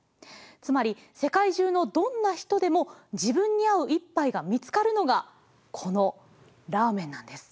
つまり世界中のどんな人でも自分に合う一ぱいが見つかるのがこのラーメンなんです。